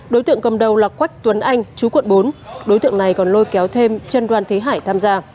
đối tượng cầm đầu là quách tuấn anh chú quận bốn đối tượng này còn lôi kéo thêm chân đoàn thế hải tham gia